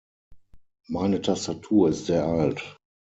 Meine Tastatur ist sehr alt.